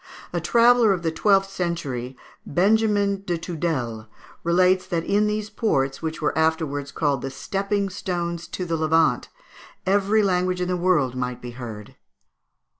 A traveller of the twelfth century, Benjamin de Tudèle, relates that in these ports, which were afterwards called the stepping stones to the Levant, every language in the world might be heard.